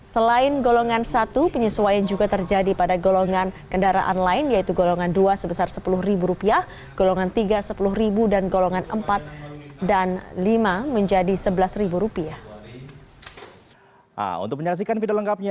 selain golongan satu penyesuaian juga terjadi pada golongan kendaraan lain yaitu golongan dua sebesar rp sepuluh golongan tiga rp sepuluh golongan empat dan lima menjadi rp sebelas